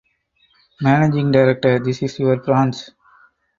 Managing director, this is your branch.